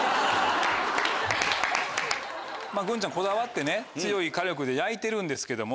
グンちゃんこだわってね強い火力で焼いてるんですけども。